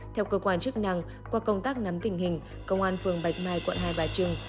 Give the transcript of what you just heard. theo cơ quan chức năng qua công tác nắm tình hình công an phường bạch mai quận hai bà trưng